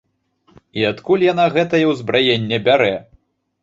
І адкуль яна гэтае ўзбраенне бярэ?